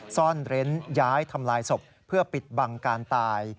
ซ่อนเร้นย้ายทำลายศพเพื่อปิดบังการตาย